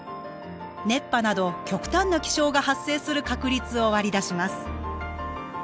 熱波など極端な気象が発生する確率を割り出します。